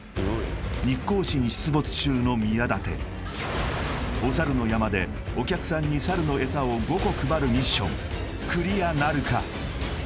日光市に出没中の宮舘おさるの山でお客さんにさるの餌を５個配るミッションクリアなるか？